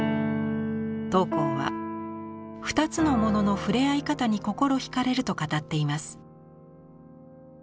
桃紅は「二つのもののふれあい方に心惹かれる」と語っています。